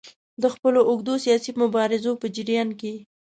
د خپلو اوږدو سیاسي مبارزو په جریان کې.